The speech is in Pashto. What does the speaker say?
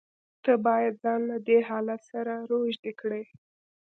ته بايد ځان له دې حالت سره روږدى کړې.